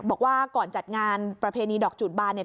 บอกว่าก่อนจัดงานประเพณีดอกจูดบานเนี่ย